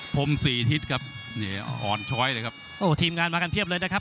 พรมสี่ทิศครับเนี่ยอ่อนช้อยเลยครับโอ้ทีมงานมากันเพียบเลยนะครับ